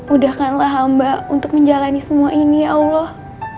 udahkanlah hamba untuk menjalani semua ini ya allah